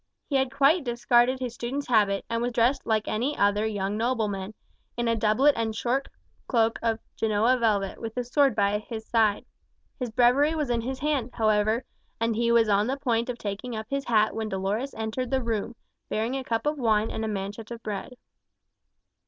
He had quite discarded his student's habit, and was dressed like any other young nobleman, in a doublet and short cloak of Genoa velvet, with a sword by his side. His Breviary was in his hand, however, and he was on the point of taking up his hat when Dolores entered the room, bearing a cup of wine and a manchet of bread.